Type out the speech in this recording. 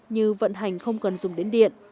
như vận hành không cần dùng đến điện